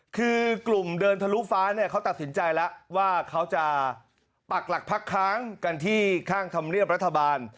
คือกลุ่มเดินทะลุฟ้าเนี่ยเขาตัดสินใจแล้วว่าเขาจะปักหลักพักค้างกันที่ข้างธรรมเนียบรัฐบาล